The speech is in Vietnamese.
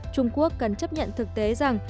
trung quốc cần chấp nhận thực tế rằng